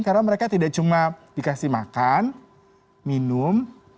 karena mereka tidak cuma dikasih makan minum